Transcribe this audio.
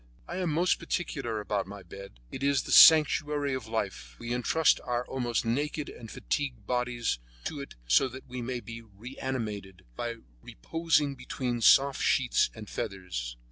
I am most particular about my bed; it is the sanctuary of life. We entrust our almost naked and fatigued bodies to it so that they may be reanimated by reposing between soft sheets and feathers.